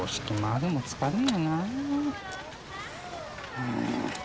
うん。